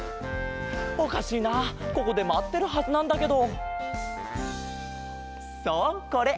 おかしいなここでまってるはずなんだけど。